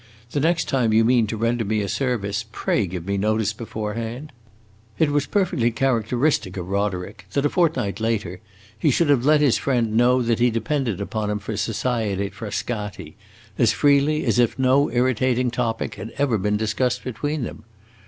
The next time you mean to render me a service, pray give me notice beforehand!" It was perfectly characteristic of Roderick that, a fortnight later, he should have let his friend know that he depended upon him for society at Frascati, as freely as if no irritating topic had ever been discussed between them.